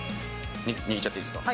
握っちゃっていいですか？